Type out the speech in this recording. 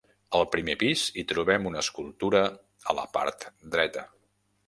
Al primer pis, hi trobem una escultura a la part dreta.